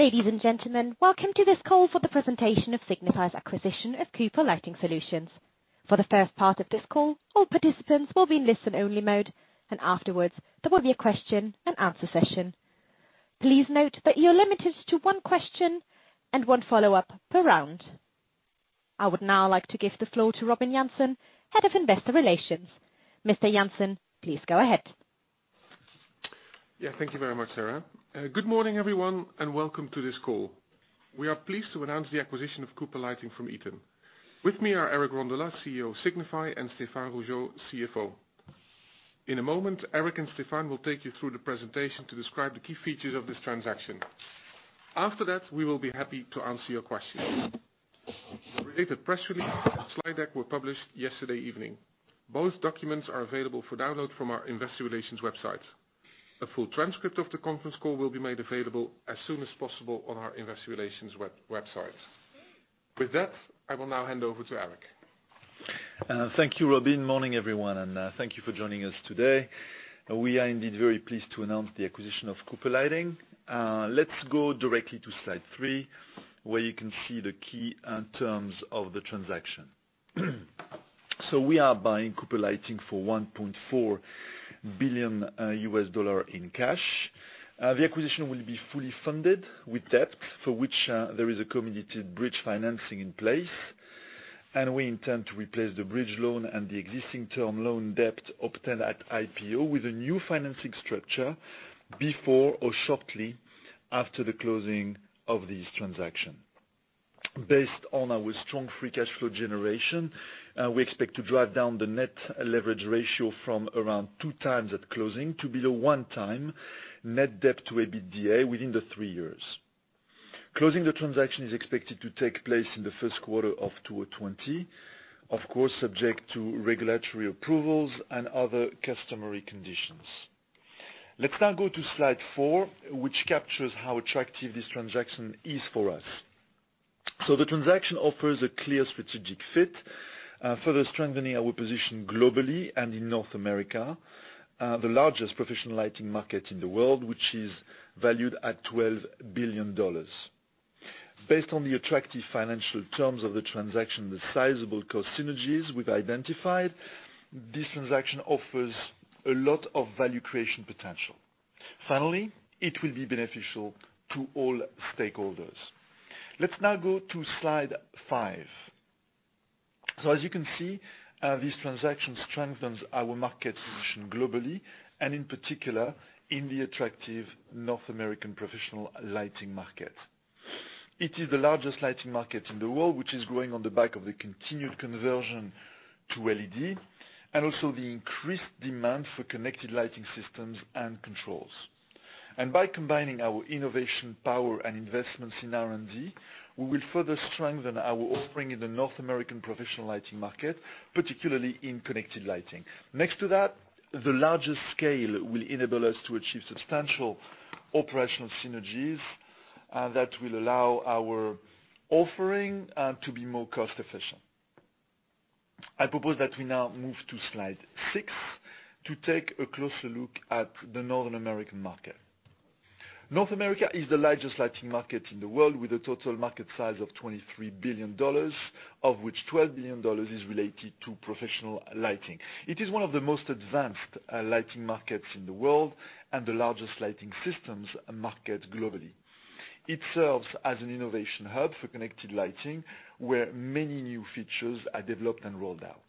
Ladies and gentlemen, welcome to this call for the presentation of Signify's acquisition of Cooper Lighting Solutions. For the first part of this call, all participants will be in listen-only mode, and afterwards, there will be a question and answer session. Please note that you're limited to one question and one follow-up per round. I would now like to give the floor to Robin Jansen, Head of Investor Relations. Mr. Jansen, please go ahead. Yeah. Thank you very much, Sarah. Good morning, everyone, and welcome to this call. We are pleased to announce the acquisition of Cooper Lighting from Eaton. With me are Eric Rondolat, CEO of Signify, and Stéphane Rougeot, CFO. In a moment, Eric and Stéphane will take you through the presentation to describe the key features of this transaction. After that, we will be happy to answer your questions. The related press release and slide deck were published yesterday evening. Both documents are available for download from our investor relations website. A full transcript of the conference call will be made available as soon as possible on our investor relations website. With that, I will now hand over to Eric. Thank you, Robin. Morning, everyone, thank you for joining us today. We are indeed very pleased to announce the acquisition of Cooper Lighting. Let's go directly to slide three, where you can see the key terms of the transaction. We are buying Cooper Lighting for $1.4 billion in cash. The acquisition will be fully funded with debt, for which there is a committed bridge financing in place, and we intend to replace the bridge loan and the existing term loan debt obtained at IPO with a new financing structure before or shortly after the closing of this transaction. Based on our strong free cash flow generation, we expect to drive down the net leverage ratio from around two times at closing to below one time net debt to EBITDA within the three years. Closing the transaction is expected to take place in the first quarter of 2020, of course, subject to regulatory approvals and other customary conditions. Let's now go to Slide four, which captures how attractive this transaction is for us. The transaction offers a clear strategic fit, further strengthening our position globally and in North America, the largest professional lighting market in the world, which is valued at $12 billion. Based on the attractive financial terms of the transaction, the sizable cost synergies we've identified, this transaction offers a lot of value creation potential. Finally, it will be beneficial to all stakeholders. Let's now go to slide five. As you can see, this transaction strengthens our market position globally and in particular in the attractive North American professional lighting market. It is the largest lighting market in the world, which is growing on the back of the continued conversion to LED and also the increased demand for connected lighting systems and controls. By combining our innovation power and investments in R&D, we will further strengthen our offering in the North American professional lighting market, particularly in connected lighting. Next to that, the largest scale will enable us to achieve substantial operational synergies that will allow our offering to be more cost-efficient. I propose that we now move to slide six to take a closer look at the North American market. North America is the largest lighting market in the world, with a total market size of $23 billion, of which $12 billion is related to professional lighting. It is one of the most advanced lighting markets in the world and the largest lighting systems market globally. It serves as an innovation hub for connected lighting, where many new features are developed and rolled out.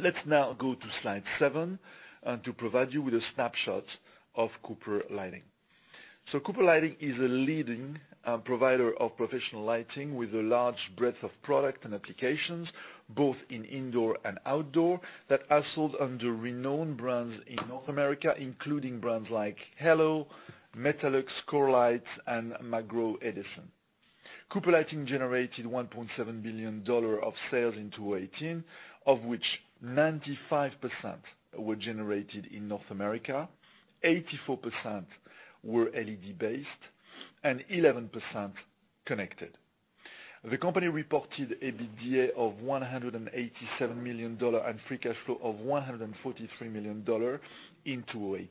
Let's now go to slide seven to provide you with a snapshot of Cooper Lighting. Cooper Lighting is a leading provider of professional lighting with a large breadth of product and applications, both in indoor and outdoor, that are sold under renowned brands in North America, including brands like HALO, Metalux, Corelite, and McGraw-Edison. Cooper Lighting generated $1.7 billion of sales in 2018, of which 95% were generated in North America, 84% were LED-based, and 11% connected. The company reported EBITDA of $187 million and free cash flow of $143 million in 2018.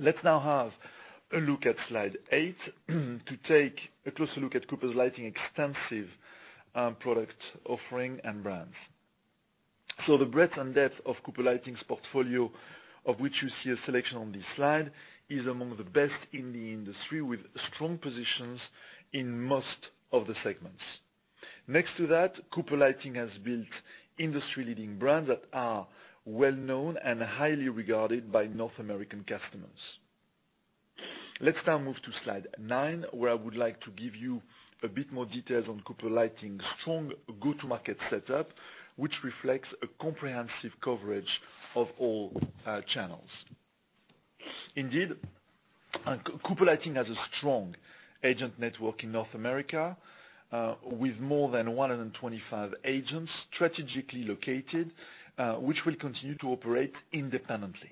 Let's now have a look at slide eight to take a closer look at Cooper Lighting's extensive product offering and brands. The breadth and depth of Cooper Lighting's portfolio, of which you see a selection on this slide, is among the best in the industry, with strong positions in most of the segments. Next to that, Cooper Lighting has built industry-leading brands that are well-known and highly regarded by North American customers. Let's now move to slide nine, where I would like to give you a bit more details on Cooper Lighting's strong go-to-market setup, which reflects a comprehensive coverage of all channels. Indeed, Cooper Lighting has a strong agent network in North America with more than 125 agents strategically located, which will continue to operate independently.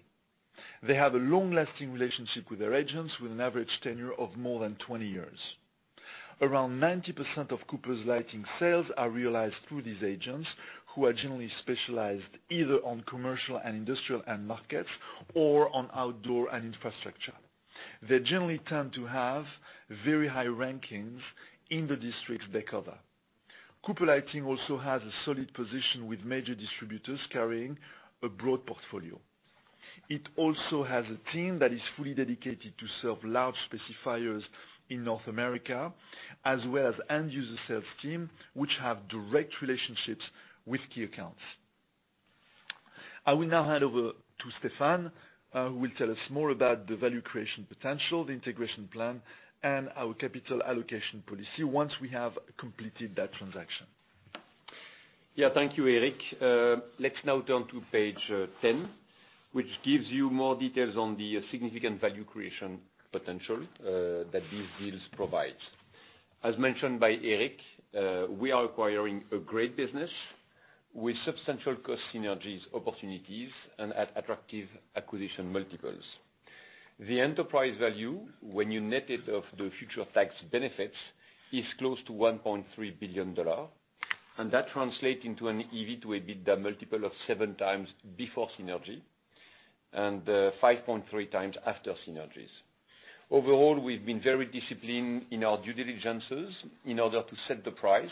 They have a long-lasting relationship with their agents, with an average tenure of more than 20 years. Around 90% of Cooper's Lighting sales are realized through these agents who are generally specialized either on commercial and industrial end markets or on outdoor and infrastructure. They generally tend to have very high rankings in the districts they cover. Cooper Lighting also has a solid position with major distributors carrying a broad portfolio. It also has a team that is fully dedicated to serve large specifiers in North America, as well as end-user sales team, which have direct relationships with key accounts. I will now hand over to Stéphane, who will tell us more about the value creation potential, the integration plan, and our capital allocation policy once we have completed that transaction. Thank you, Eric. Let's now turn to page 10, which gives you more details on the significant value creation potential that these deals provide. As mentioned by Eric, we are acquiring a great business with substantial cost synergies opportunities and at attractive acquisition multiples. The enterprise value, when you net it of the future tax benefits, is close to $1.3 billion. That translates into an EV to EBITDA multiple of seven times before synergy and 5.3 times after synergies. Overall, we've been very disciplined in our due diligences in order to set the price,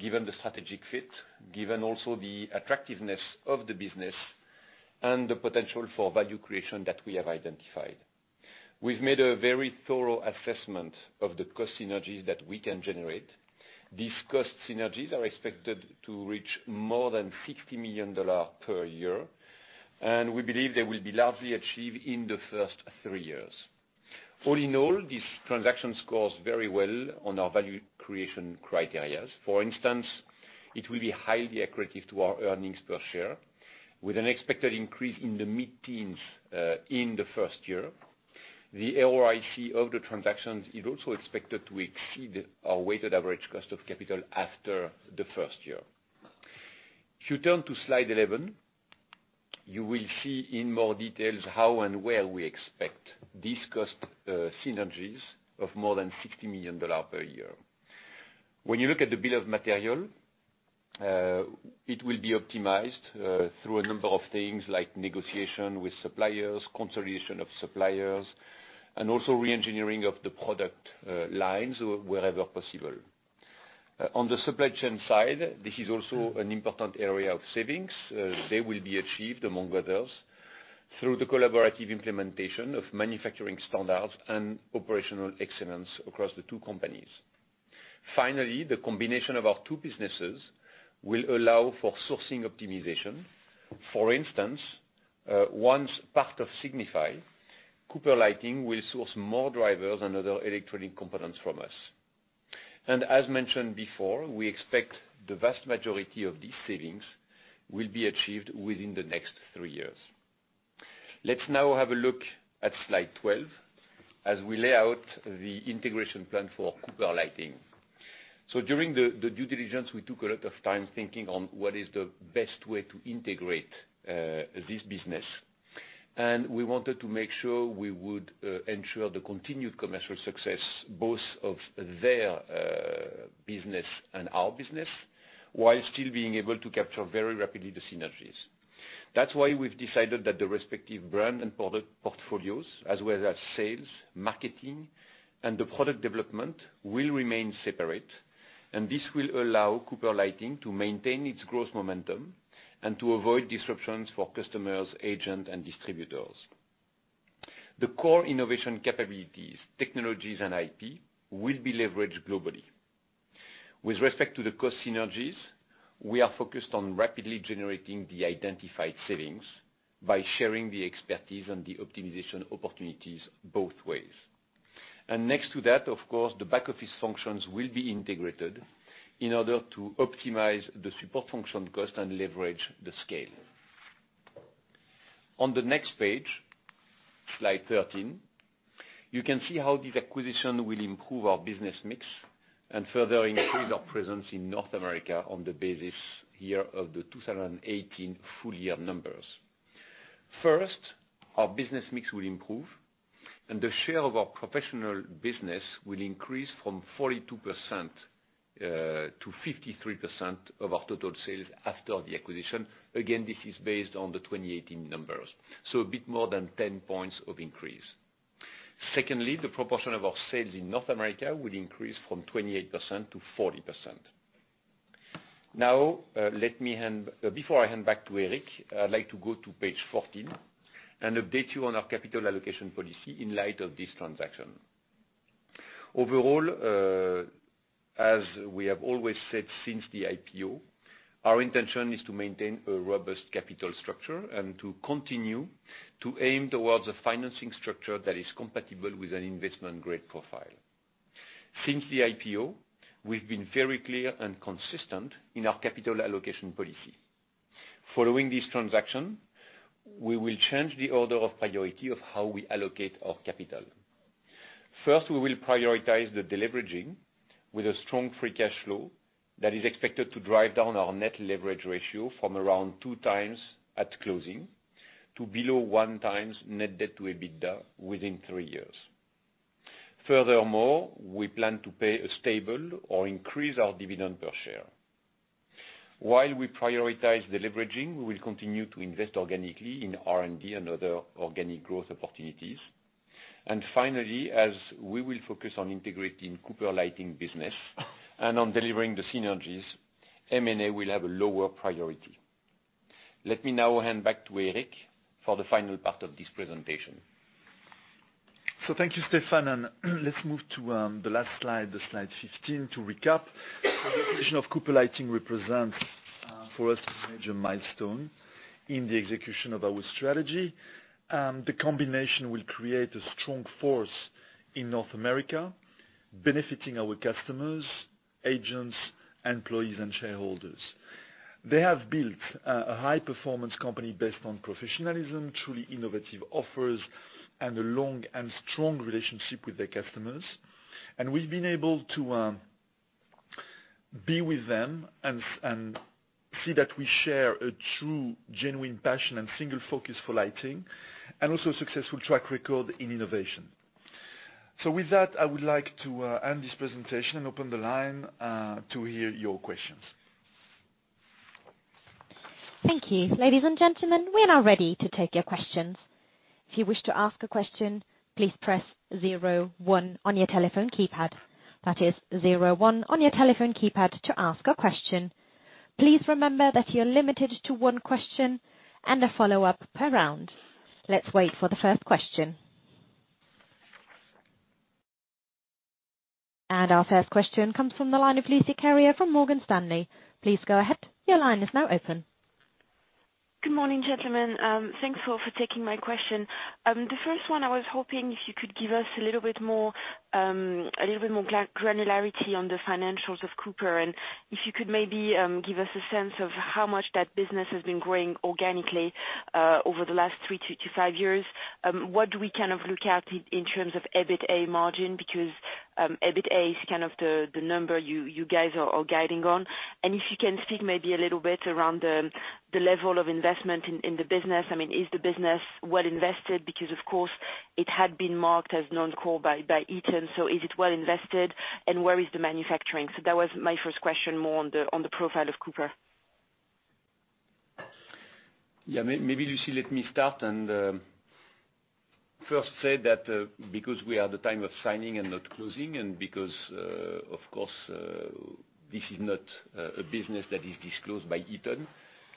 given the strategic fit, given also the attractiveness of the business and the potential for value creation that we have identified. We've made a very thorough assessment of the cost synergies that we can generate. These cost synergies are expected to reach more than EUR 60 million per year. We believe they will be largely achieved in the first three years. All in all, this transaction scores very well on our value creation criteria. For instance, it will be highly accretive to our earnings per share, with an expected increase in the mid-teens in the first year. The ROIC of the transactions is also expected to exceed our weighted average cost of capital after the first year. If you turn to slide 11, you will see in more detail how and where we expect these cost synergies of more than EUR 60 million per year. When you look at the bill of materials, it will be optimized through a number of things like negotiation with suppliers, consolidation of suppliers, and also re-engineering of the product lines wherever possible. On the supply chain side, this is also an important area of savings. They will be achieved, among others, through the collaborative implementation of manufacturing standards and operational excellence across the two companies. The combination of our two businesses will allow for sourcing optimization. For instance, once part of Signify, Cooper Lighting will source more drivers and other electronic components from us. As mentioned before, we expect the vast majority of these savings will be achieved within the next three years. Let's now have a look at slide 12 as we lay out the integration plan for Cooper Lighting. During the due diligence, we took a lot of time thinking on what is the best way to integrate this business. We wanted to make sure we would ensure the continued commercial success, both of their business and our business, while still being able to capture very rapidly the synergies. That's why we've decided that the respective brand and product portfolios, as well as sales, marketing, and the product development, will remain separate, and this will allow Cooper Lighting to maintain its growth momentum and to avoid disruptions for customers, agents, and distributors. The core innovation capabilities, technologies, and IP will be leveraged globally. With respect to the cost synergies, we are focused on rapidly generating the identified savings by sharing the expertise and the optimization opportunities both ways. Next to that, of course, the back office functions will be integrated in order to optimize the support function cost and leverage the scale. On the next page, slide 13, you can see how this acquisition will improve our business mix and further increase our presence in North America on the basis year of the 2018 full year numbers. First, our business mix will improve, and the share of our professional business will increase from 42% to 53% of our total sales after the acquisition. Again, this is based on the 2018 numbers, so a bit more than 10 points of increase. Secondly, the proportion of our sales in North America will increase from 28% to 40%. Now, before I hand back to Eric, I'd like to go to page 14 and update you on our capital allocation policy in light of this transaction. Overall, as we have always said since the IPO, our intention is to maintain a robust capital structure and to continue to aim towards a financing structure that is compatible with an investment-grade profile. Since the IPO, we've been very clear and consistent in our capital allocation policy. Following this transaction, we will change the order of priority of how we allocate our capital. First, we will prioritize the deleveraging with a strong free cash flow that is expected to drive down our net leverage ratio from around 2 times at closing to below 1 times net debt to EBITDA within 3 years. Furthermore, we plan to pay a stable or increase our dividend per share. While we prioritize deleveraging, we will continue to invest organically in R&D and other organic growth opportunities. Finally, as we will focus on integrating Cooper Lighting business and on delivering the synergies, M&A will have a lower priority. Let me now hand back to Eric for the final part of this presentation. Thank you, Stéphane, and let's move to the last slide, the slide 15, to recap. The acquisition of Cooper Lighting represents for us a major milestone in the execution of our strategy. The combination will create a strong force in North America, benefiting our customers, agents, employees, and shareholders. They have built a high-performance company based on professionalism, truly innovative offers, and a long and strong relationship with their customers. We've been able to be with them and see that we share a true, genuine passion and single focus for lighting, and also a successful track record in innovation. With that, I would like to end this presentation and open the line to hear your questions. Thank you. Ladies and gentlemen, we are now ready to take your questions. If you wish to ask a question, please press zero one on your telephone keypad. That is zero one on your telephone keypad to ask a question. Please remember that you're limited to one question and a follow-up per round. Let's wait for the first question. Our first question comes from the line of Lucie Carrier from Morgan Stanley. Please go ahead. Your line is now open. Good morning, gentlemen. Thanks for taking my question. The first one, I was hoping if you could give us a little bit more granularity on the financials of Cooper, and if you could maybe give us a sense of how much that business has been growing organically over the last three to five years. What do we kind of look at in terms of EBITA margin? EBITA is kind of the number you guys are guiding on. If you can speak maybe a little bit around the level of investment in the business. Is the business well invested? Of course, it had been marked as non-core by Eaton. Is it well invested, and where is the manufacturing? That was my first question, more on the profile of Cooper. Maybe Lucie, let me start and first say that because we are at the time of signing and not closing, and because, of course, this is not a business that is disclosed by Eaton,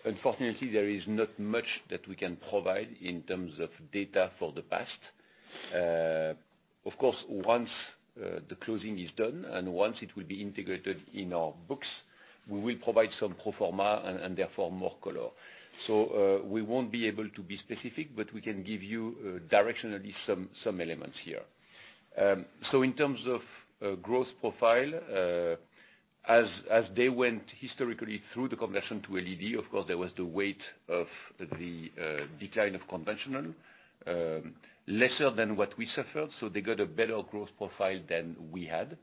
unfortunately, there is not much that we can provide in terms of data for the past. Of course, once the closing is done and once it will be integrated in our books, we will provide some pro forma and therefore more color. We won't be able to be specific, but we can give you directionally some elements here. In terms of growth profile, as they went historically through the conversion to LED, of course, there was the weight of the decline of conventional, lesser than what we suffered, so they got a better growth profile than we had.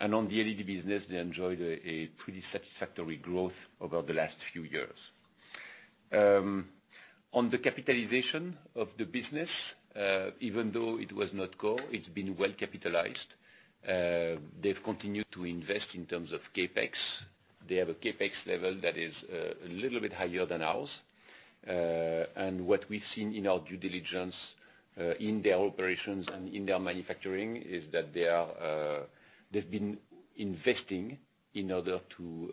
On the LED business, they enjoyed a pretty satisfactory growth over the last few years. On the capitalization of the business, even though it was not core, it's been well-capitalized. They've continued to invest in terms of CapEx. They have a CapEx level that is a little bit higher than ours. What we've seen in our due diligence in their operations and in their manufacturing is that they've been investing in order to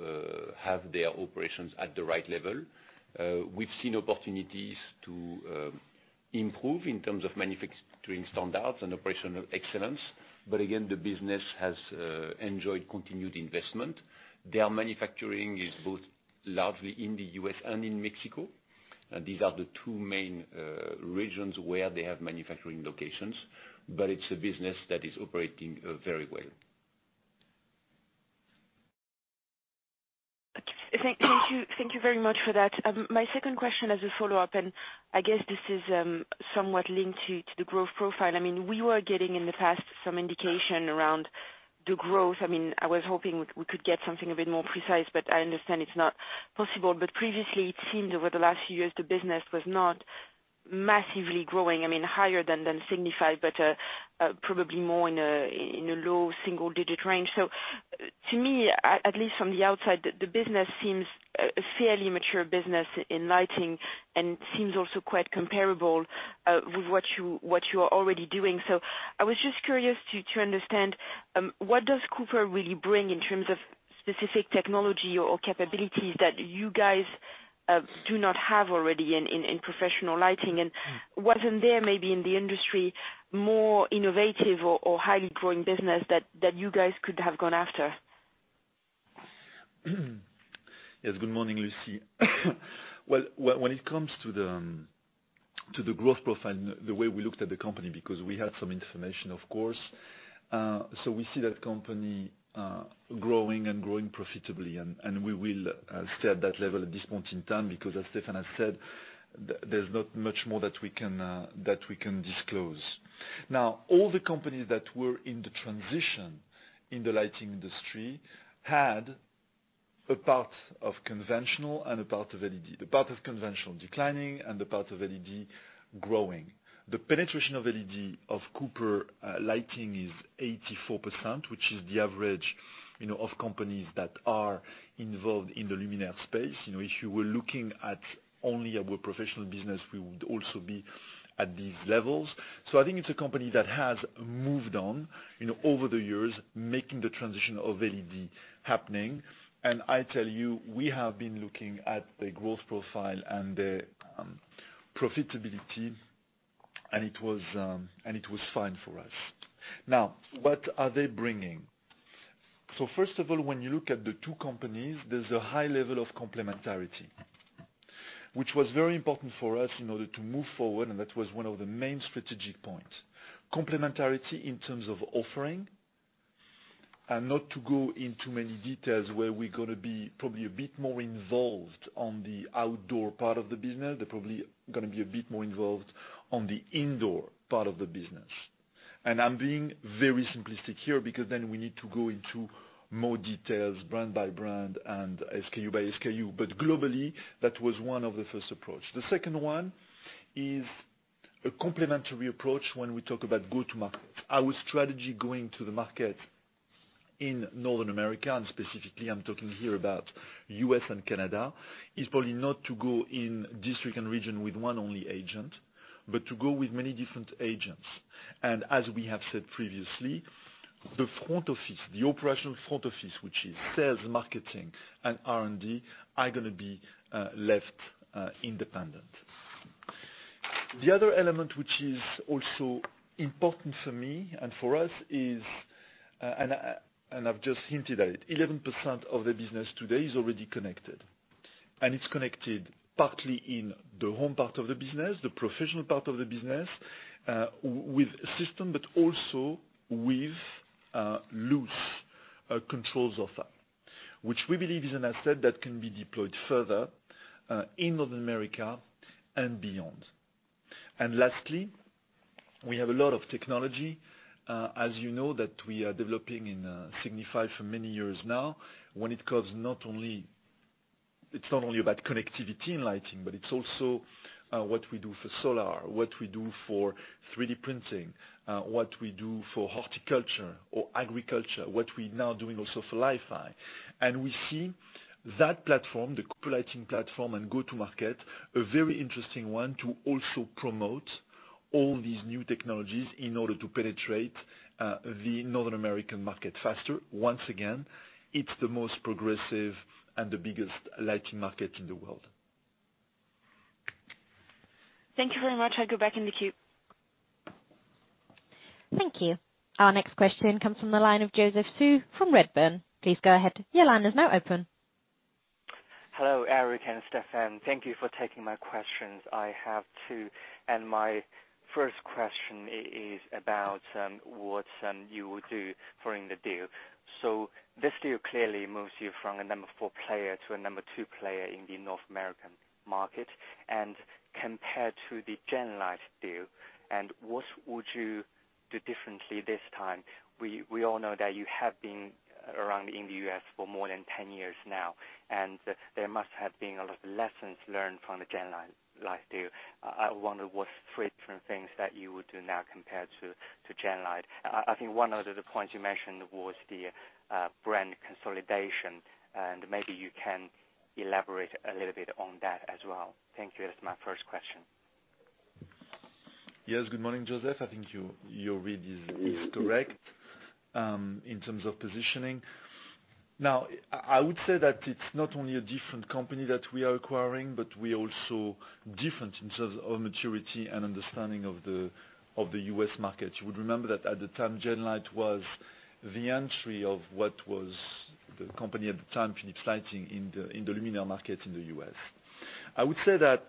have their operations at the right level. We've seen opportunities to improve in terms of manufacturing standards and operational excellence. Again, the business has enjoyed continued investment. Their manufacturing is both largely in the U.S. and in Mexico. These are the two main regions where they have manufacturing locations. It's a business that is operating very well. Thank you very much for that. My second question as a follow-up, I guess this is somewhat linked to the growth profile. We were getting in the past some indication around the growth. I was hoping we could get something a bit more precise, I understand it's not possible. Previously, it seemed over the last few years the business was not massively growing. Higher than Signify, probably more in a low single-digit range. To me, at least from the outside, the business seems a fairly mature business in lighting and seems also quite comparable with what you are already doing. I was just curious to understand, what does Cooper really bring in terms of specific technology or capabilities that you guys do not have already in professional lighting? Wasn't there, maybe in the industry, more innovative or highly growing business that you guys could have gone after? Yes. Good morning, Lucie. Well, when it comes to the growth profile, the way we looked at the company, because we had some information, of course. We see that company growing and growing profitably, and we will stay at that level at this point in time, because as Stéphane has said, there's not much more that we can disclose. All the companies that were in the transition in the lighting industry had a part of conventional and a part of LED. The part of conventional declining and the part of LED growing. The penetration of LED of Cooper Lighting is 84%, which is the average of companies that are involved in the luminaire space. If you were looking at only our professional business, we would also be at these levels. I think it's a company that has moved on over the years, making the transition of LED happening. I tell you, we have been looking at the growth profile and their profitability, and it was fine for us. What are they bringing? First of all, when you look at the two companies, there's a high level of complementarity, which was very important for us in order to move forward, and that was one of the main strategic points. Complementarity in terms of offering, and not to go into many details where we're going to be probably a bit more involved on the outdoor part of the business. They're probably going to be a bit more involved on the indoor part of the business. I'm being very simplistic here because then we need to go into more details brand by brand and SKU by SKU. Globally, that was one of the first approach. The second one is a complementary approach when we talk about go-to-market. Our strategy going to the market in North America, and specifically I'm talking here about U.S. and Canada, is probably not to go in district and region with one only agent, but to go with many different agents. As we have said previously, the front office, the operational front office, which is sales, marketing, and R&D, are going to be left independent. The other element which is also important for me and for us is, and I've just hinted at it, 11% of the business today is already connected. It's connected partly in the home part of the business, the professional part of the business, with system, but also with loose controls offer. Which we believe is an asset that can be deployed further in North America and beyond. Lastly, we have a lot of technology, as you know, that we are developing in Signify for many years now. It's not only about connectivity and lighting, but it's also what we do for solar, what we do for 3D printing, what we do for horticulture or agriculture, what we're now doing also for Li-Fi. We see that platform, the Cooper Lighting platform and go-to-market, a very interesting one to also promote all these new technologies in order to penetrate the North American market faster. Once again, it's the most progressive and the biggest lighting market in the world. Thank you very much. I go back in the queue. Thank you. Our next question comes from the line of Joseph Su from Redburn. Please go ahead. Your line is now open. HALO, Eric and Stéphane. Thank you for taking my questions. I have two. My first question is about what you will do following the deal. This deal clearly moves you from a number four player to a number two player in the North American market. Compared to the Genlyte deal, what would you do differently this time? We all know that you have been around in the U.S. for more than 10 years now. There must have been a lot of lessons learned from the Genlyte deal. I wonder what three different things that you would do now compared to Genlyte. I think one of the points you mentioned was the brand consolidation. Maybe you can elaborate a little bit on that as well. Thank you. That's my first question. Yes. Good morning, Joseph. I think your read is correct in terms of positioning. I would say that it's not only a different company that we are acquiring, but we're also different in terms of maturity and understanding of the U.S. market. You would remember that at the time, Genlyte was the entry of what was the company at the time, Philips Lighting in the luminaire market in the U.S. I would say that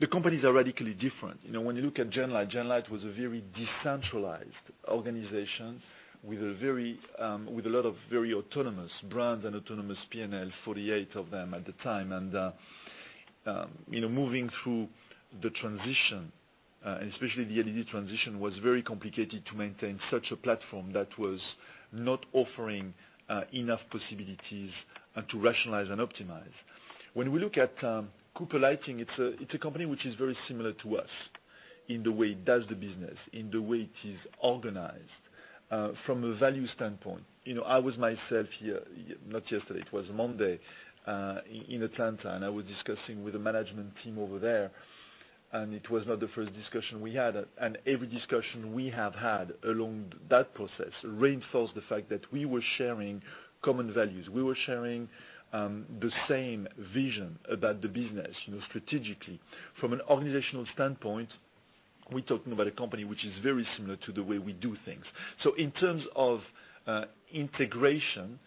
the companies are radically different. When you look at Genlyte was a very decentralized organization with a lot of very autonomous brands and autonomous P&L, 48 of them at the time. Moving through the transition, especially the LED transition, was very complicated to maintain such a platform that was not offering enough possibilities to rationalize and optimize. When we look at Cooper Lighting, it's a company which is very similar to us in the way it does the business, in the way it is organized from a value standpoint. I was myself here, not yesterday, it was Monday, in Atlanta, and I was discussing with the management team over there, and it was not the first discussion we had. Every discussion we have had along that process reinforced the fact that we were sharing common values. We were sharing the same vision about the business strategically. From an organizational standpoint, we're talking about a company which is very similar to the way we do things. In terms of integration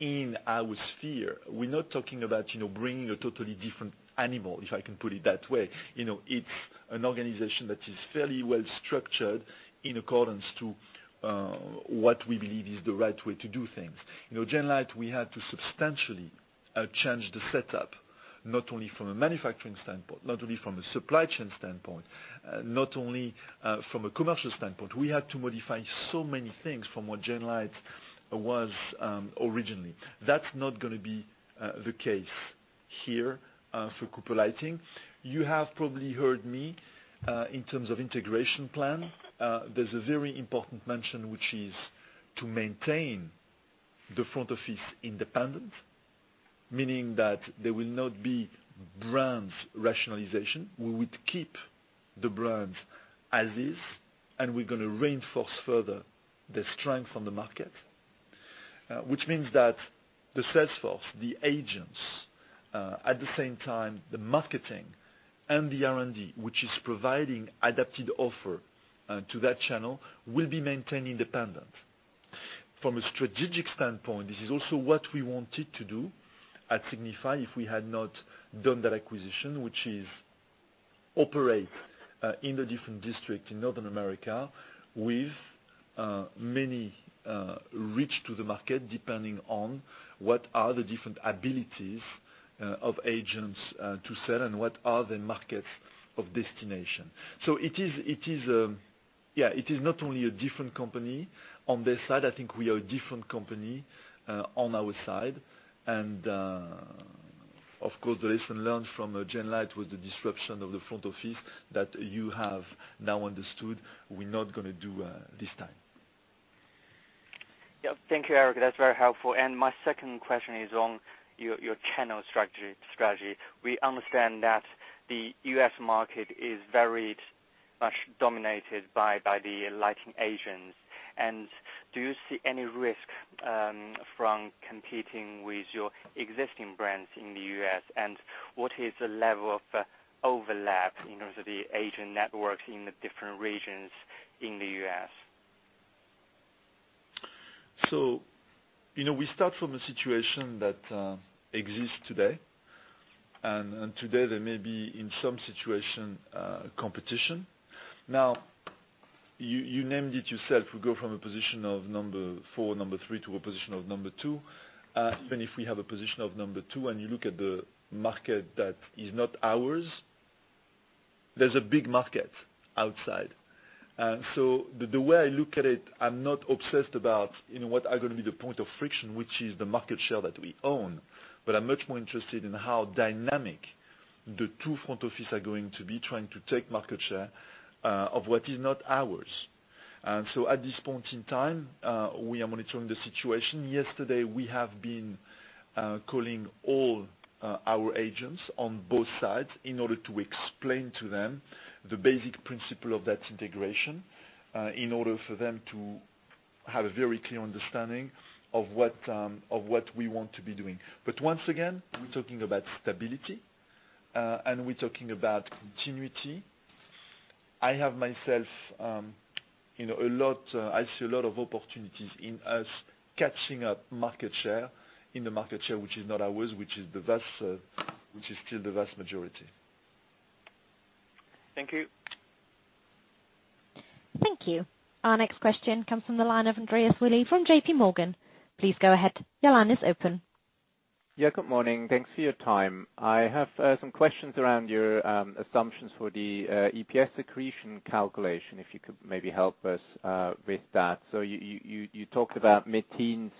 in our sphere, we're not talking about bringing a totally different animal, if I can put it that way. It's an organization that is fairly well structured in accordance to what we believe is the right way to do things. Genlyte, we had to substantially change the setup. Not only from a manufacturing standpoint, not only from a supply chain standpoint, not only from a commercial standpoint. We had to modify so many things from what Genlyte was originally. That's not going to be the case here for Cooper Lighting. You have probably heard me in terms of integration plan. There's a very important mention, which is to maintain the front office independent, meaning that there will not be brands rationalization. We would keep the brands as is, and we're going to reinforce further the strength on the market. Which means that the sales force, the agents, at the same time, the marketing and the R&D, which is providing adapted offer to that channel, will be maintained independent. From a strategic standpoint, this is also what we wanted to do at Signify, if we had not done that acquisition, which is operate in the different district in North America with many reach to the market, depending on what are the different abilities of agents to sell and what are the markets of destination. It is not only a different company on their side, I think we are a different company on our side. Of course, the lesson learned from Genlyte with the disruption of the front office that you have now understood we're not going to do this time. Yep. Thank you, Eric. That's very helpful. My second question is on your channel strategy. We understand that the U.S. market is very much dominated by the lighting agents. Do you see any risk from competing with your existing brands in the U.S.? What is the level of overlap in terms of the agent networks in the different regions in the U.S.? We start from a situation that exists today, and today there may be, in some situation, competition. Now, you named it yourself. We go from a position of number four, number three, to a position of number two. Even if we have a position of number two and you look at the market that is not ours, there's a big market outside. The way I look at it, I'm not obsessed about what are going to be the point of friction, which is the market share that we own. But I'm much more interested in how dynamic the two front office are going to be trying to take market share of what is not ours. At this point in time, we are monitoring the situation. Yesterday, we have been calling all our agents on both sides in order to explain to them the basic principle of that integration, in order for them to have a very clear understanding of what we want to be doing. Once again, we're talking about stability, and we're talking about continuity. I see a lot of opportunities in us catching up market share in the market share which is not ours, which is still the vast majority. Thank you. Thank you. Our next question comes from the line of Andreas Willi from JPMorgan. Please go ahead. Your line is open. Good morning. Thanks for your time. I have some questions around your assumptions for the EPS accretion calculation, if you could maybe help us with that. You talked about mid-teens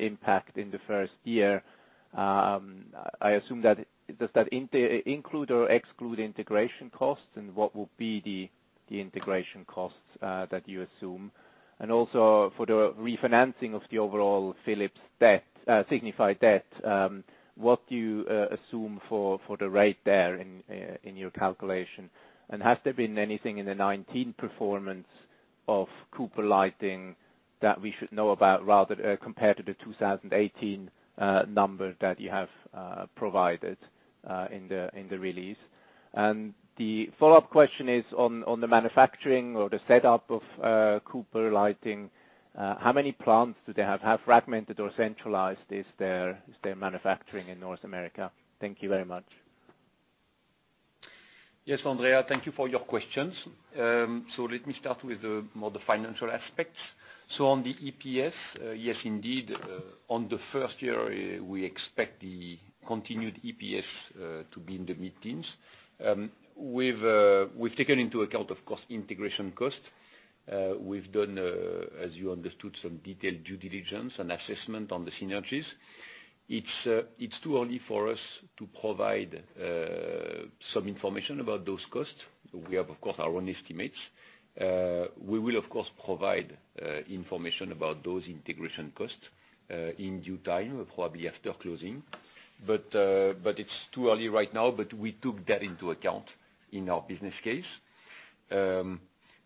impact in the first year. I assume, does that include or exclude integration costs, and what will be the integration costs that you assume? Also for the refinancing of the overall Signify debt, what do you assume for the rate there in your calculation? Has there been anything in the 2019 performance of Cooper Lighting that we should know about compared to the 2018 number that you have provided in the release? The follow-up question is on the manufacturing or the setup of Cooper Lighting. How many plants do they have? How fragmented or centralized is their manufacturing in North America? Thank you very much. Yes, Andreas, thank you for your questions. Let me start with more the financial aspects. On the EPS, yes, indeed, on the first year, we expect the continued EPS to be in the mid-teens. We've taken into account, of course, integration costs. We've done, as you understood, some detailed due diligence and assessment on the synergies. It's too early for us to provide some information about those costs. We have, of course, our own estimates. We will, of course, provide information about those integration costs in due time, probably after closing. It's too early right now, but we took that into account in our business case.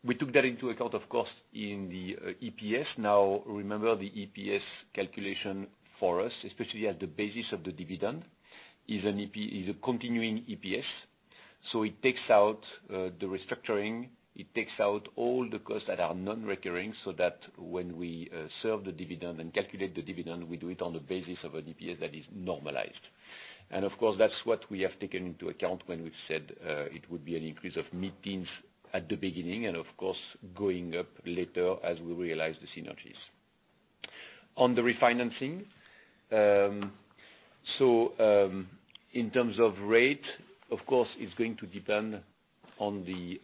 We took that into account, of course, in the EPS. Now, remember, the EPS calculation for us, especially at the basis of the dividend, is a continuing EPS. It takes out the restructuring, it takes out all the costs that are non-recurring, so that when we serve the dividend and calculate the dividend, we do it on the basis of an EPS that is normalized. Of course, that's what we have taken into account when we've said it would be an increase of mid-teens at the beginning, and of course, going up later as we realize the synergies. On the refinancing. In terms of rate, of course, it's going to depend on the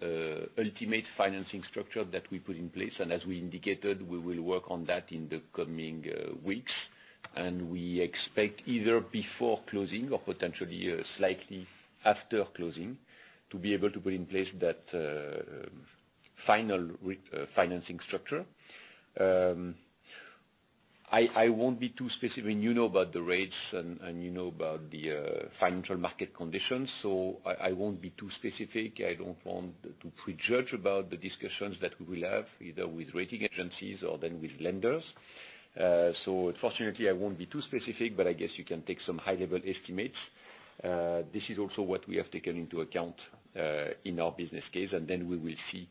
ultimate financing structure that we put in place. As we indicated, we will work on that in the coming weeks, and we expect either before closing or potentially slightly after closing to be able to put in place that final financing structure. I won't be too specific, and you know about the rates and you know about the financial market conditions, so I won't be too specific. I don't want to prejudge about the discussions that we will have, either with rating agencies or then with lenders. Unfortunately, I won't be too specific, but I guess you can take some high-level estimates. This is also what we have taken into account, in our business case, and then we will see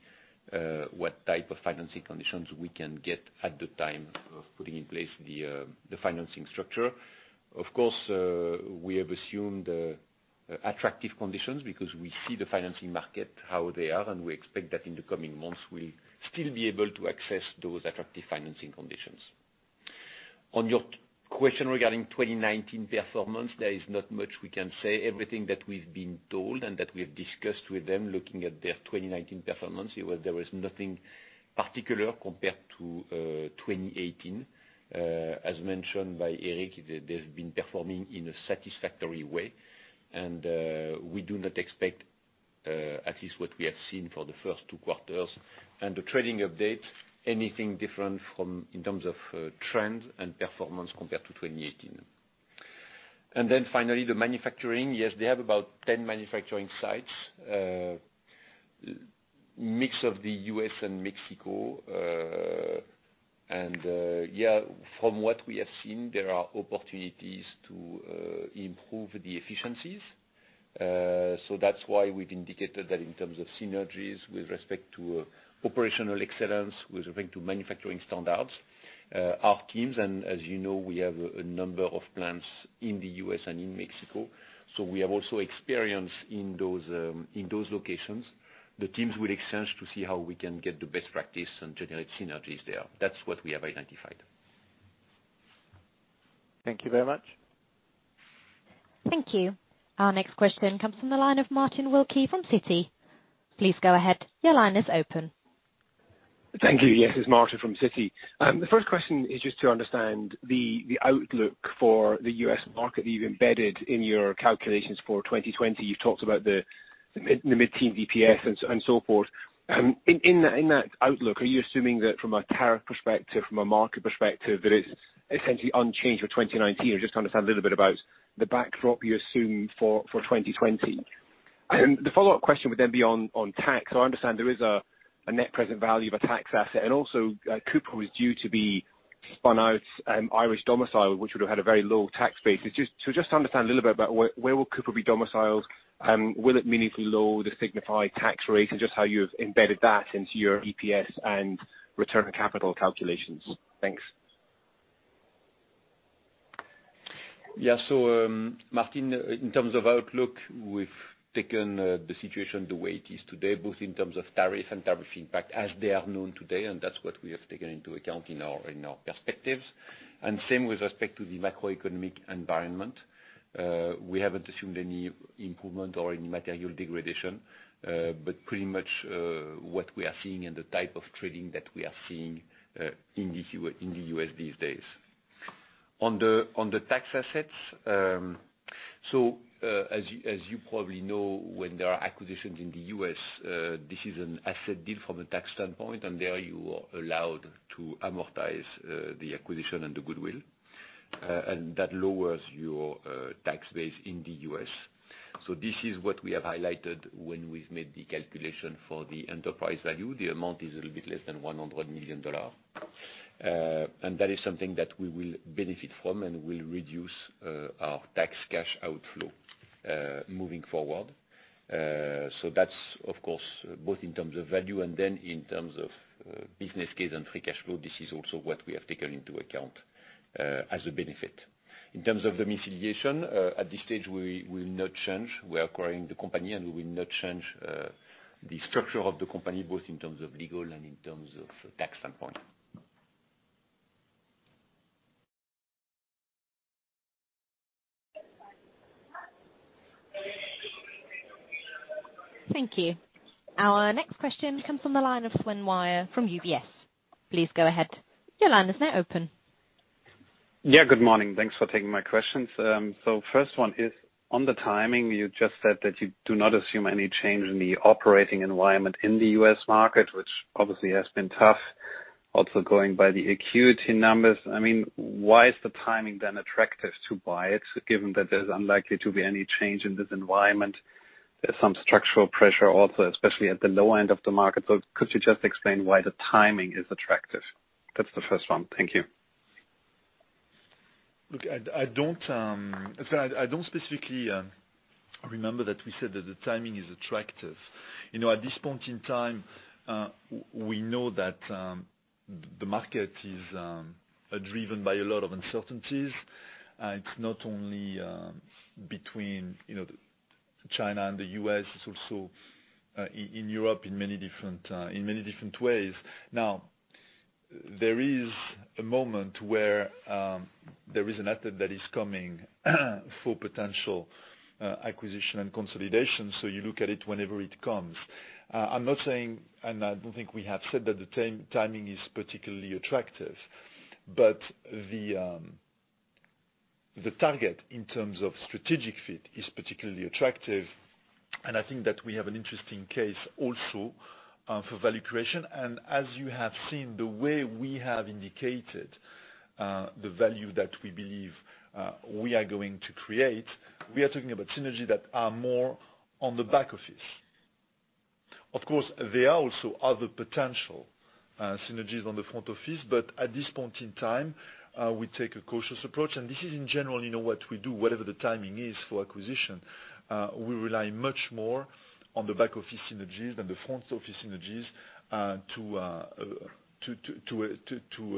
what type of financing conditions we can get at the time of putting in place the financing structure. Of course, we have assumed attractive conditions because we see the financing market, how they are, and we expect that in the coming months, we'll still be able to access those attractive financing conditions. On your question regarding 2019 performance, there is not much we can say. Everything that we've been told and that we have discussed with them, looking at their 2019 performance, there was nothing particular compared to 2018. As mentioned by Eric, they've been performing in a satisfactory way and we do not expect, at least what we have seen for the first two quarters and the trading updates, anything different in terms of trends and performance compared to 2018. Finally, the manufacturing. Yes, they have about 10 manufacturing sites, a mix of the U.S. and Mexico. From what we have seen, there are opportunities to improve the efficiencies. That's why we've indicated that in terms of synergies with respect to operational excellence, with respect to manufacturing standards, our teams, and as you know, we have a number of plants in the U.S. and in Mexico, so we have also experience in those locations. The teams will exchange to see how we can get the best practice and generate synergies there. That's what we have identified. Thank you very much. Thank you. Our next question comes from the line of Martin Wilkie from Citi. Please go ahead. Your line is open. Thank you. Yes, it's Martin from Citi. The first question is just to understand the outlook for the U.S. market that you've embedded in your calculations for 2020. You've talked about the mid-teen EPS and so forth. In that outlook, are you assuming that from a tariff perspective, from a market perspective, that it's essentially unchanged for 2019? I just want to understand a little bit about the backdrop you assume for 2020. The follow-up question would be on tax. I understand there is a net present value of a tax asset and also Cooper was due to be spun out Irish domiciled, which would have had a very low tax base. Just to understand a little bit about where will Cooper be domiciled, will it meaningfully lower the Signify tax rate and just how you've embedded that into your EPS and return on capital calculations. Thanks. Martin, in terms of outlook, we've taken the situation the way it is today, both in terms of tariff and tariff impact as they are known today, and that's what we have taken into account in our perspectives. Same with respect to the macroeconomic environment. We haven't assumed any improvement or any material degradation. Pretty much, what we are seeing and the type of trading that we are seeing in the U.S. these days. On the tax assets, as you probably know, when there are acquisitions in the U.S., this is an asset deal from a tax standpoint, and there you are allowed to amortize the acquisition and the goodwill, and that lowers your tax base in the U.S. This is what we have highlighted when we've made the calculation for the enterprise value. The amount is a little bit less than EUR 100 million. That is something that we will benefit from and will reduce our tax cash outflow moving forward. That's of course both in terms of value and then in terms of business case and free cash flow. This is also what we have taken into account as a benefit. In terms of the domiciliation, at this stage, we will not change. We're acquiring the company, and we will not change the structure of the company, both in terms of legal and in terms of tax standpoint. Thank you. Our next question comes from the line of Sven Weier from UBS. Please go ahead. Your line is now open. Yeah, good morning. Thanks for taking my questions. First one is on the timing. You just said that you do not assume any change in the operating environment in the U.S. market, which obviously has been tough. Also going by the Acuity numbers. Why is the timing then attractive to buy it, given that there's unlikely to be any change in this environment? There's some structural pressure also, especially at the low end of the market. Could you just explain why the timing is attractive? That's the first one. Thank you. Look, I don't specifically remember that we said that the timing is attractive. At this point in time, we know that the market is driven by a lot of uncertainties. It's not only between-. China and the U.S., it's also in Europe in many different ways. There is a moment where there is an asset that is coming for potential acquisition and consolidation, so you look at it whenever it comes. I'm not saying, and I don't think we have said that the timing is particularly attractive, but the target in terms of strategic fit is particularly attractive, and I think that we have an interesting case also for value creation. As you have seen, the way we have indicated the value that we believe we are going to create, we are talking about synergy that are more on the back office. Of course, there are also other potential synergies on the front office, but at this point in time, we take a cautious approach. This is in general what we do, whatever the timing is for acquisition. We rely much more on the back-office synergies than the front-office synergies to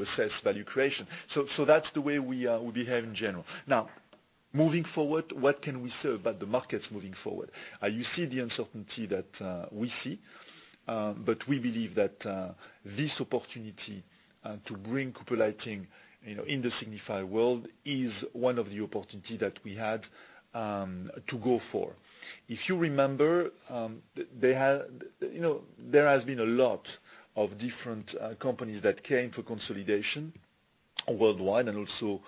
assess value creation. That's the way we behave in general. Now, moving forward, what can we say about the markets moving forward? You see the uncertainty that we see, but we believe that this opportunity to bring Cooper Lighting in the Signify world is one of the opportunity that we had to go for. If you remember, there has been a lot of different companies that came for consolidation worldwide and also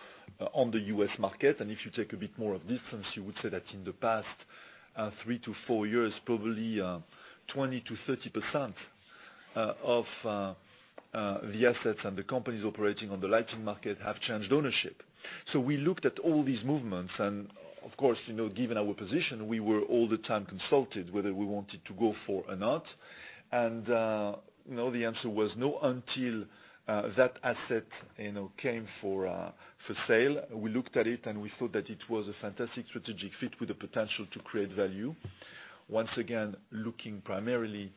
on the U.S. market. If you take a bit more of distance, you would say that in the past three to four years, probably 20%-30% of the assets and the companies operating on the lighting market have changed ownership. We looked at all these movements and, of course, given our position, we were all the time consulted whether we wanted to go for or not. The answer was no until that asset came for sale. We looked at it, and we thought that it was a fantastic strategic fit with the potential to create value. Once again, looking primarily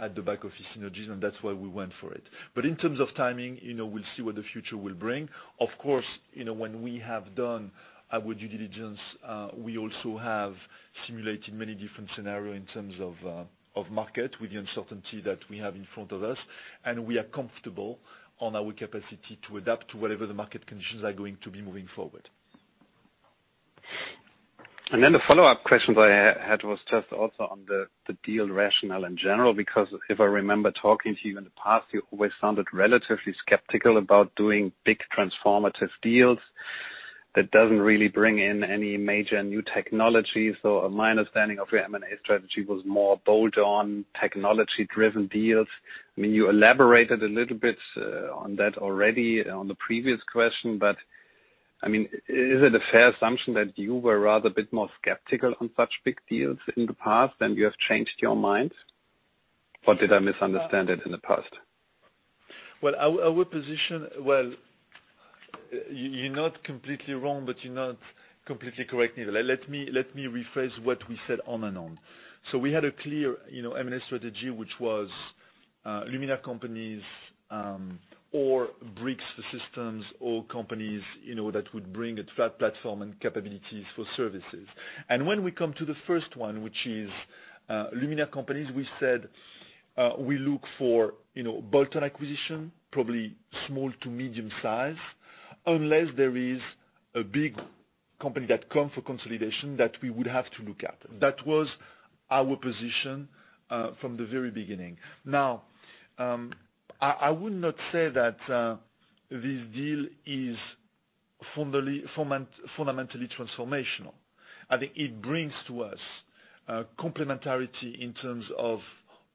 at the back-office synergies, and that's why we went for it. In terms of timing, we'll see what the future will bring. Of course, when we have done our due diligence, we also have simulated many different scenarios in terms of market with the uncertainty that we have in front of us, and we are comfortable on our capacity to adapt to whatever the market conditions are going to be moving forward. The follow-up question I had was just also on the deal rationale in general, because if I remember talking to you in the past, you always sounded relatively skeptical about doing big transformative deals that doesn't really bring in any major new technology. My understanding of your M&A strategy was more bolt-on technology-driven deals. You elaborated a little bit on that already on the previous question, but is it a fair assumption that you were rather a bit more skeptical on such big deals in the past, and you have changed your mind? Did I misunderstand it in the past? Well, our position, well, you're not completely wrong, but you're not completely correct neither. Let me rephrase what we said on and on. We had a clear M&A strategy, which was luminaire companies or bricks for systems or companies that would bring a platform and capabilities for services. When we come to the first one, which is luminaire companies, we said we look for bolt-on acquisition, probably small to medium size, unless there is a big company that come for consolidation that we would have to look at. That was our position from the very beginning. I would not say that this deal is fundamentally transformational. I think it brings to us complementarity in terms of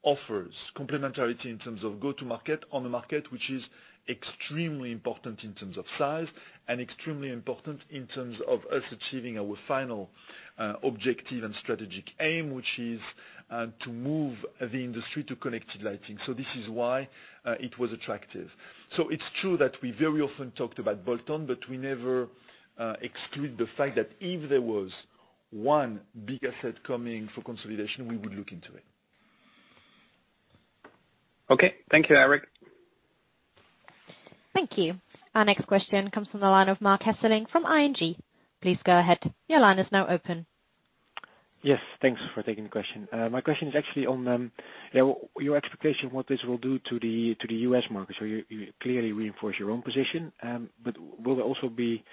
offers, complementarity in terms of go-to market on a market, which is extremely important in terms of size and extremely important in terms of us achieving our final objective and strategic aim, which is to move the industry to connected lighting. This is why it was attractive. It's true that we very often talked about bolt-on, but we never exclude the fact that if there was one big asset coming for consolidation, we would look into it. Okay. Thank you, Eric. Thank you. Our next question comes from the line of Marc Hesselink from ING. Please go ahead. Your line is now open. Yes. Thanks for taking the question. My question is actually on your expectation, what this will do to the U.S. market. You clearly reinforce your own position, but will there also be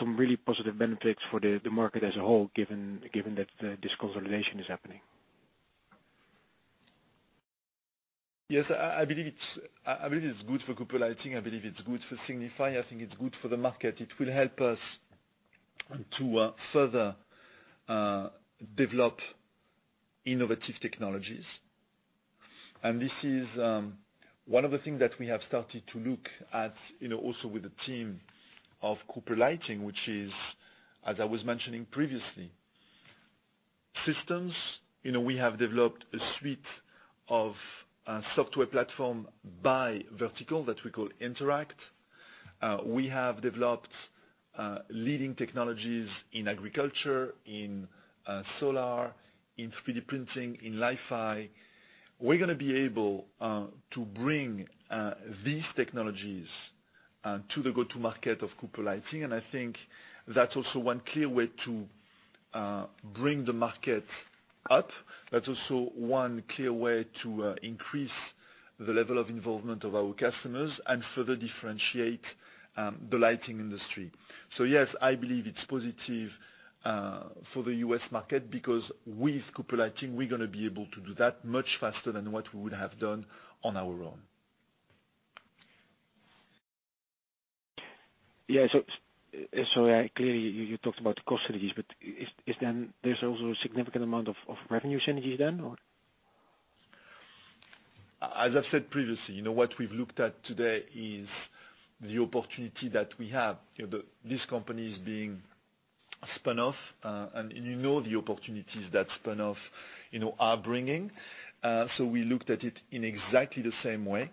some really positive benefits for the market as a whole given that this consolidation is happening? Yes. I believe it's good for Cooper Lighting. I believe it's good for Signify. I think it's good for the market. It will help us to further develop innovative technologies. This is one of the things that we have started to look at also with the team of Cooper Lighting, which is, as I was mentioning previously, systems. We have developed a suite of software platform by vertical that we call Interact. We have developed leading technologies in agriculture, in solar, in 3D printing, in Li-Fi. We're going to be able to bring these technologies to the go-to market of Cooper Lighting, and I think that's also one clear way to bring the market up. That's also one clear way to increase the level of involvement of our customers and further differentiate the lighting industry. Yes, I believe it's positive for the U.S. market because with Cooper Lighting, we're going to be able to do that much faster than what we would have done on our own. Yeah. Clearly, you talked about cost synergies, but is there also a significant amount of revenue synergies then, or? As I've said previously, what we've looked at today is the opportunity that we have. This company is being spun off, you know the opportunities that spin-off are bringing. We looked at it in exactly the same way.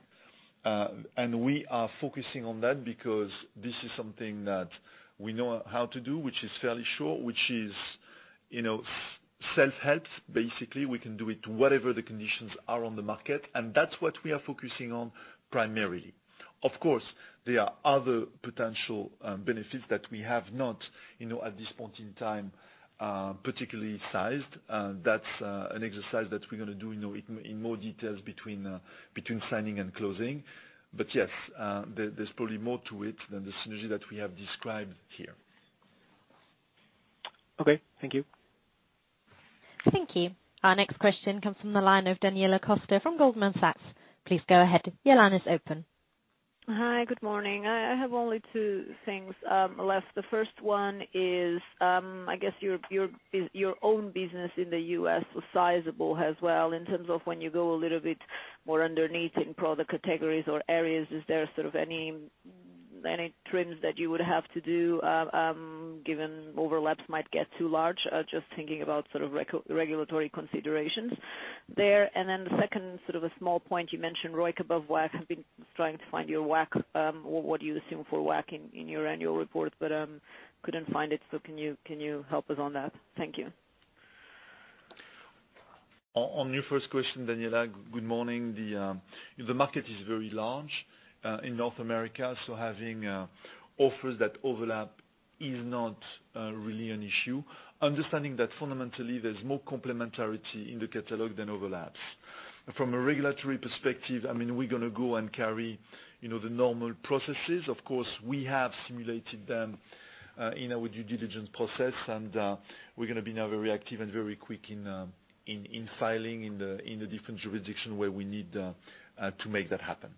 We are focusing on that because this is something that we know how to do, which is fairly sure, which is self-help. Basically, we can do it whatever the conditions are on the market, and that's what we are focusing on primarily. Of course, there are other potential benefits that we have not, at this point in time, particularly sized. That's an exercise that we're going to do in more details between signing and closing. Yes, there's probably more to it than the synergy that we have described here. Okay. Thank you. Thank you. Our next question comes from the line of Daniela Costa from Goldman Sachs. Please go ahead. Your line is open. Hi. Good morning. I have only two things left. The first one is, I guess your own business in the U.S. was sizable as well. In terms of when you go a little bit more underneath in product categories or areas, is there any trims that you would have to do given overlaps might get too large? Just thinking about regulatory considerations there. The second small point, you mentioned ROIC above WACC. I've been trying to find your WACC, or what you assume for WACC in your annual report, but couldn't find it. Can you help us on that? Thank you. On your first question, Daniela, good morning. The market is very large in North America, so having offers that overlap is not really an issue. Understanding that fundamentally there's more complementarity in the catalog than overlaps. From a regulatory perspective, we're going to go and carry the normal processes. Of course, we have simulated them in our due diligence process, and we're going to be now very active and very quick in filing in the different jurisdictions where we need to make that happen.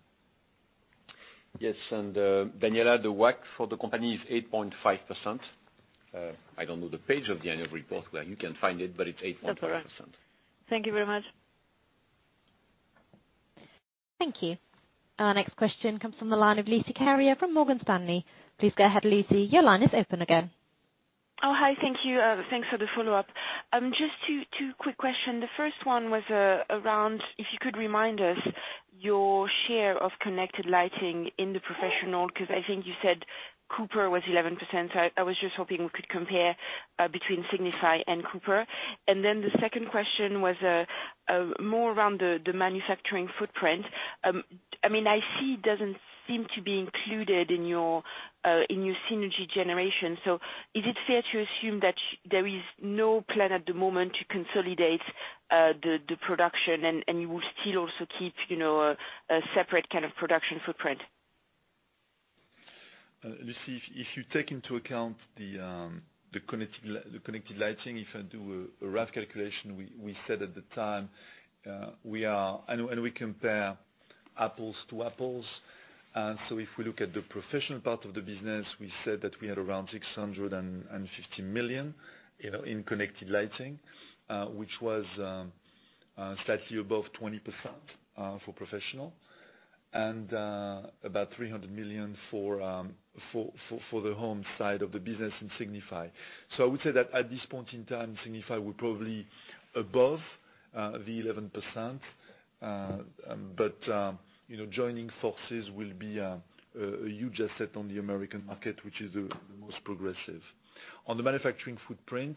Yes. Daniela, the WACC for the company is 8.5%. I don't know the page of the annual report where you can find it, but it's 8.5%. That's all right. Thank you very much. Thank you. Our next question comes from the line of Lucie Carrier from Morgan Stanley. Please go ahead, Lucie. Your line is open again. Hi. Thank you. Thanks for the follow-up. Just two quick questions. The first one was around if you could remind us your share of connected lighting in the professional, because I think you said Cooper was 11%. I was just hoping we could compare between Signify and Cooper. The second question was more around the manufacturing footprint. I see it doesn't seem to be included in your synergy generation. Is it fair to assume that there is no plan at the moment to consolidate the production, and you will still also keep a separate kind of production footprint? Lucie, if you take into account the connected lighting, if I do a rough calculation, we said at the time, and we compare apples to apples. If we look at the professional part of the business, we said that we had around 650 million in connected lighting, which was slightly above 20% for professional and about 300 million for the home side of the business in Signify. I would say that at this point in time, Signify we're probably above the 11%, but joining forces will be a huge asset on the American market, which is the most progressive. On the manufacturing footprint,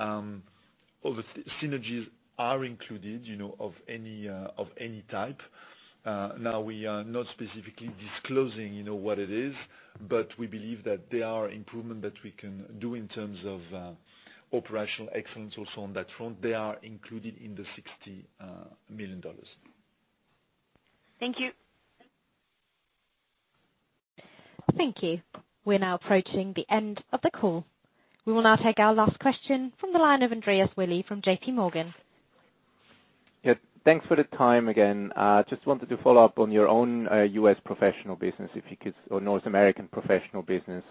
synergies are included of any type. We are not specifically disclosing what it is, but we believe that there are improvement that we can do in terms of operational excellence also on that front. They are included in the EUR 60 million. Thank you. Thank you. We are now approaching the end of the call. We will now take our last question from the line of Andreas Willi from JPMorgan. Thanks for the time again. Just wanted to follow up on your own U.S. professional business, if you could, or North American professional business,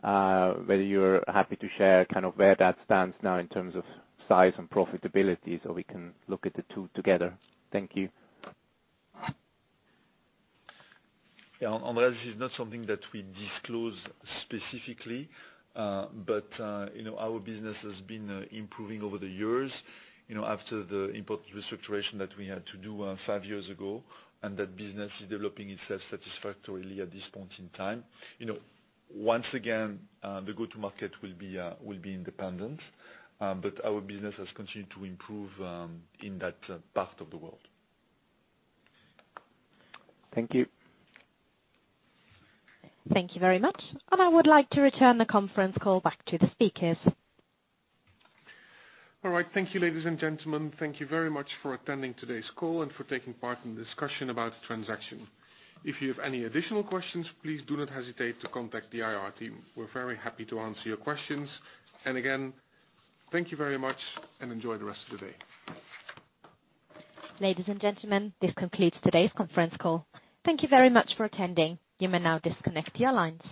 whether you're happy to share where that stands now in terms of size and profitability, so we can look at the two together. Thank you. Yeah, Andreas, this is not something that we disclose specifically. Our business has been improving over the years after the import restructure that we had to do five years ago, and that business is developing itself satisfactorily at this point in time. Once again, the go-to market will be independent, but our business has continued to improve in that part of the world. Thank you. Thank you very much. I would like to return the conference call back to the speakers. All right. Thank you, ladies and gentlemen. Thank you very much for attending today's call and for taking part in the discussion about the transaction. If you have any additional questions, please do not hesitate to contact the IR team. We're very happy to answer your questions. Again, thank you very much, and enjoy the rest of the day. Ladies and gentlemen, this concludes today's conference call. Thank you very much for attending. You may now disconnect your lines.